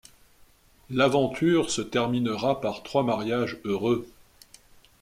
L'aventure se terminera par trois mariages heureux.